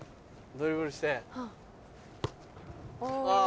ドリブルして。